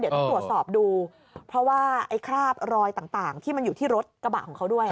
เดี๋ยวต้องตรวจสอบดูเพราะว่าไอ้คราบรอยต่างที่มันอยู่ที่รถกระบะของเขาด้วย